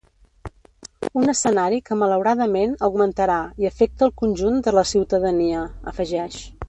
Un escenari que malauradament augmentarà i afecta el conjunt de la ciutadania, afegeix.